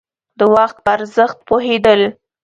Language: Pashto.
د وخت په ارزښت پوهېدل.